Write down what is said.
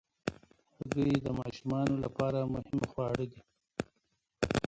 هګۍ د ماشومانو لپاره مهم خواړه دي.